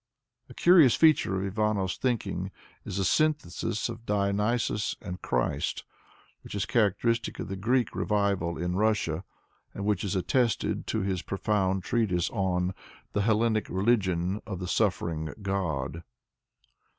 A curious feature of Ivanov's thinking is a synthesis of Dionysos and Christ, which is characteristic of the Greek re vival in Russia, and which is attested to in his profound treatise on "The Hellenic Religion of the Suffering God."